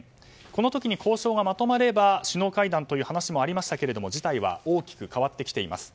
この時に交渉がまとまれば首脳会談という話もありましたが事態は大きく変わってきています。